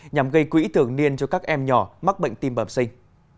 nhằm gây quỹ thường niên cho các em nhỏ mắc bệnh tim bẩm sinh